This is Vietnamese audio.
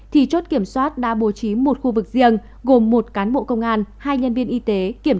thì chốt kiểm soát đã bố trí một khu vực riêng gồm một cán bộ công an hai nhân viên y tế